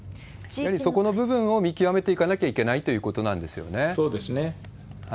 やはりそこの部分を見極めていかなきゃいけないということなそうですね。